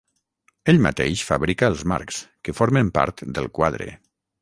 Ell mateix fabrica els marcs, que formen part del quadre.